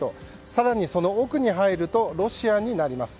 更にその奥に入るとロシアになります。